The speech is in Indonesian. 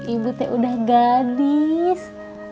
ibu teh udah gadis